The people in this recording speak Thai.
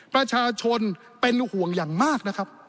ประชาชนเป็นห่วงอย่างมากนะครับ